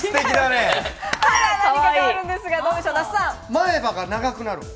前歯が長くなる。